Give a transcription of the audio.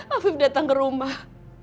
afif datang ke rumah